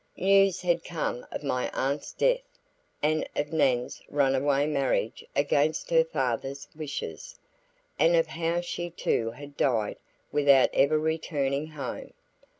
News had come of my aunt's death, and of Nan's runaway marriage against her father's wishes, and of how she too had died without ever returning home.